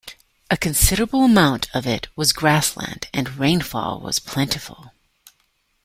A considerable amount of it was grassland and rainfall was plentiful.